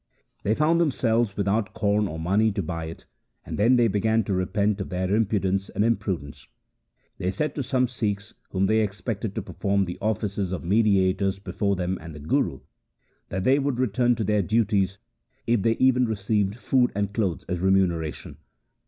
They found themselves without corn or money to buy it, and then they began to repent of their impudence and imprudence. They said to some Sikhs, whom they expected to perform the office of mediators between them and the Guru, that they would return to their duties, if they even received food and clothes as remuneration.